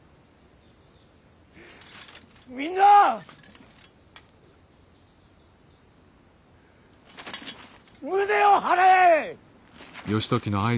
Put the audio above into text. みんな胸を張れ！